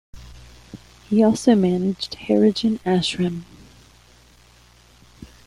He also managed Harijan Ashram.